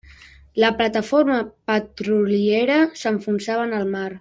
La plataforma petroliera s'enfonsava en el mar.